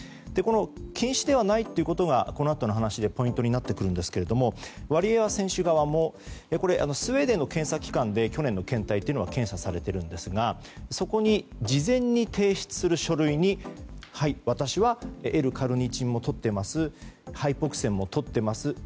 この禁止ではないということがこのあとの話でポイントになってくるんですがワリエワ選手側もスウェーデンの検査機関で去年の検体は検査されていますがそこに事前に提出する書類に私はＬ‐カルニチンをとっていますハイポクセンもとっています